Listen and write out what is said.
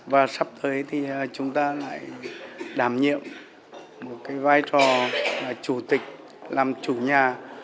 và sắp tới thì chúng ta lại đảm nhiệm một cái vai trò là chủ tịch làm chủ nhà